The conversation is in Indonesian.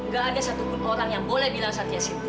gak ada satupun orang yang boleh bilang satria sinting